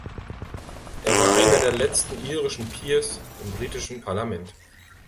Er war einer der letzten irischen Peers im britischen Parlament.